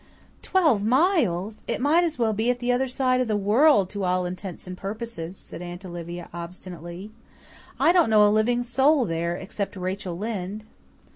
"Twelve miles! It might as well be at the other side of the world to all intents and purposes," said Aunt Olivia obstinately. "I don't know a living soul there, except Rachel Lynde."